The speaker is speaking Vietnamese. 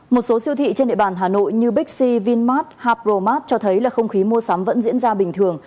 một số siêu thị trên địa bàn hà nội như big c vinmart harpromart cho thấy là không khí mua sắm vẫn diễn ra bình thường